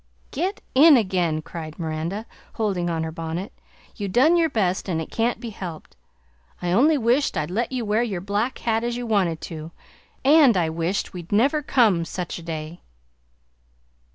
"Get in again!" cried Miranda, holding on her bonnet. "You done your best and it can't be helped, I only wish't I'd let you wear your black hat as you wanted to; and I wish't we'd never come such a day!